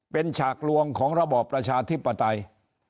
เป็นฉากรวงของระบบประชานิยศ